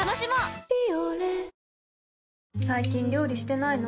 最近料理してないの？